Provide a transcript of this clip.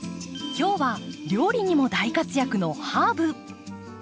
今日は料理にも大活躍のハーブ。